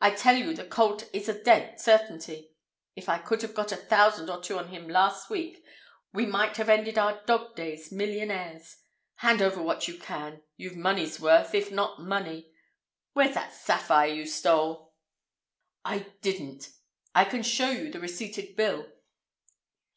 I tell you the colt is a dead certainty. If I could have got a thousand or two on him last week, we might have ended our dog days millionaires. Hand over what you can. You've money's worth, if not money. Where's that sapphire you stole?" "I didn't. I can show you the receipted bill.